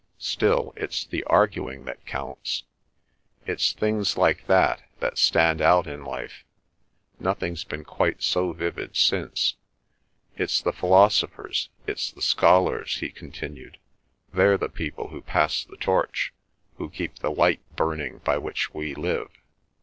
Still, it's the arguing that counts. It's things like that that stand out in life. Nothing's been quite so vivid since. It's the philosophers, it's the scholars," he continued, "they're the people who pass the torch, who keep the light burning by which we live.